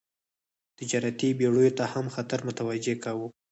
تجارتي بېړیو ته هم خطر متوجه کاوه.